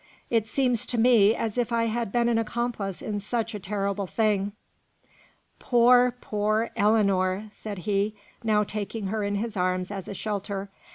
It seems to me as if I had been an accomplice in such a terrible thing!" "Poor, poor Ellinor!" said he, now taking her in his arms as a shelter.